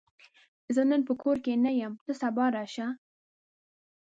زه نن په کور کې نه یم، ته سبا راشه!